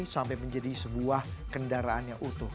sampai menjadi sebuah kendaraan yang utuh